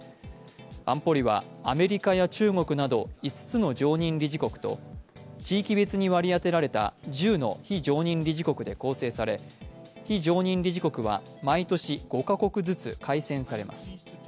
安保理はアメリカや中国など５つの常任理事国と地域別に割り当てられた１０の非常任理事国で構成され、非常任理事国は毎年５カ国ずつ改選されます。